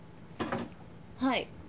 はい。